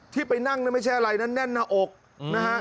ไปนั่งไม่ใช่อะไรนะแน่นหน้าอกนะฮะ